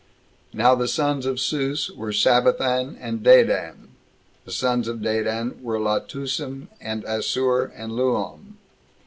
Now the sons of Sous were Sabathan and Dadan. The sons of Dadan were Latusim, and Assur, and Luom.